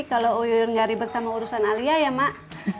kalau uyu gak ribet sama urusan alia ya mak